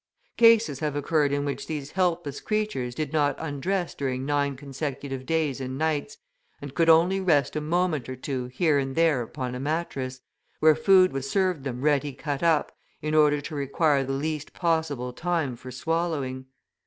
Cases have occurred in which these helpless creatures did not undress during nine consecutive days and nights, and could only rest a moment or two here and there upon a mattress, where food was served them ready cut up in order to require the least possible time for swallowing.